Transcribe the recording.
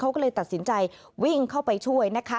เขาก็เลยตัดสินใจวิ่งเข้าไปช่วยนะคะ